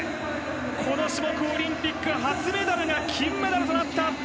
この種目オリンピック初メダルが金メダルとなった。